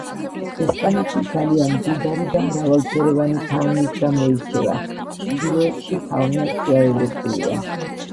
ესპანეთი ძალიან მდიდარი და მრავალფეროვანი ფაუნით გამოირჩევა, ჩრდილოეთში ფაუნა შუაევროპულია.